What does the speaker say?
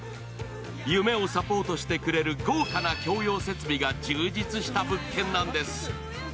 夢をサポートしてくれる豪華な共用設備が充実した物件なんです。